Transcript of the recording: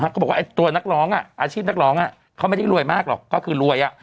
เขาบอกว่าตัวนักร้องอาชีพนักร้องเขาไม่ได้รวยมากหรอกก็คือรวย